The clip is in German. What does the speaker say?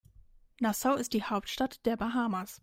Nassau ist die Hauptstadt der Bahamas.